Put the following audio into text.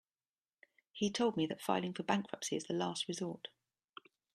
He told me that filing for bankruptcy is the last resort.